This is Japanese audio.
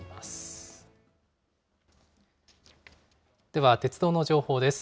では、鉄道の情報です。